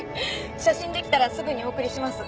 写真出来たらすぐにお送りします。